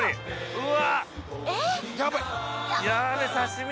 うわ